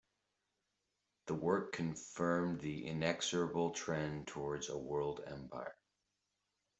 The work confirmed the inexorable trend towards a world empire.